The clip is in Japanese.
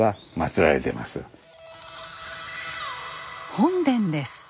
本殿です。